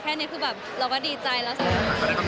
แค่นี้คือเราก็ดีใจแล้ว